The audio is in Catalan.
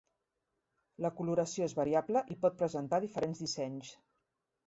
La coloració és variable i pot presentar diferents dissenys.